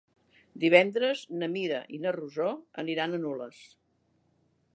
Divendres na Mira i na Rosó aniran a Nulles.